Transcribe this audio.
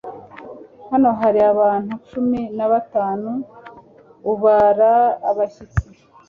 Hano hari abantu cumi na batanu ubara abashyitsi